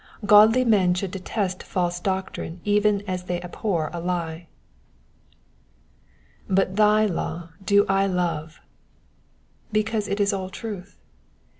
Godly men should detest false doctrine even as they abhor a lie. ''''But thy law do I love,'''* because it is all truth.